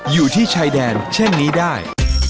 อยู่ที่ชายแดนเช่นนี้ได้